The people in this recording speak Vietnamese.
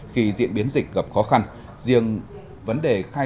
khi diễn biến dịch gặp khó khăn